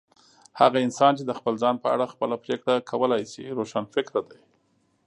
هغه انسان چي د خپل ځان په اړه خپله پرېکړه کولای سي، روښانفکره دی.